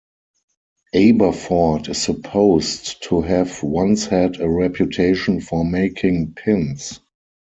Aberford is supposed to have once had a reputation for making pins.